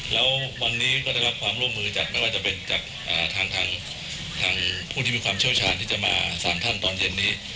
แล้ววันนี้ก็ได้รับความร่วมมือจากไม่ว่าจะเป็นจากทางผู้ที่มีความเชี่ยวชาญที่จะมาสารท่านตอนเย็นนี้